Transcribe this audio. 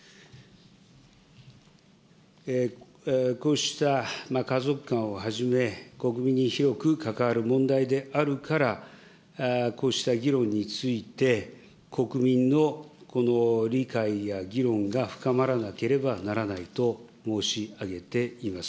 こうした家族観をはじめ、国民に広く関わる問題であるから、こうした議論について、国民のこの理解や議論が深まらなければならないと申し上げています。